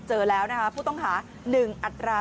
เจอแล้วนะคะผู้ต้องหา๑อัตรา